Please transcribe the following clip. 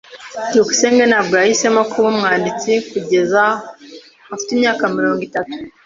byukusenge ntabwo yahisemo kuba umwanditsi kugeza afite imyaka mirongo itatu.